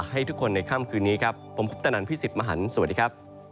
ฮ่าฮ่า